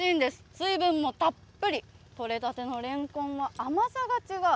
水分もたっぷり、取れたてのレンコンは甘さが違う。